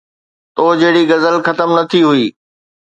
تو جهڙي غزل ختم نه ٿي هئي